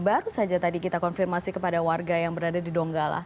baru saja tadi kita konfirmasi kepada warga yang berada di donggala